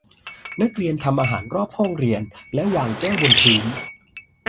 นักเรียนทำอาหารรอบห้องเรียนและวางแก้วบนพื้น